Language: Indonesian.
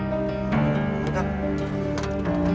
semua biru biru gading